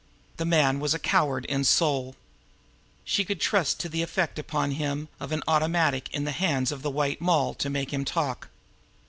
The man was a coward in soul. She could trust to the effect upon him of an automatic in the hands of the White Mall to make him talk.